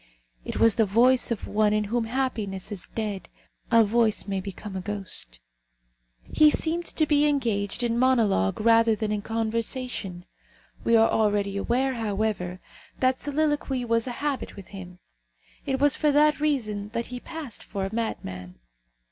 It was the voice of one in whom happiness is dead. A voice may become a ghost. He seemed to be engaged in monologue rather than in conversation. We are already aware, however, that soliloquy was a habit with him. It was for that reason that he passed for a madman.